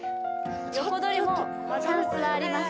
横取りもチャンスがあります